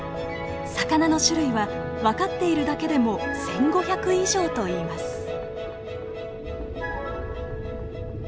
魚の種類は分かっているだけでも１，５００以上といいます。